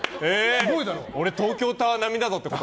俺東京タワー並みだぞってこと？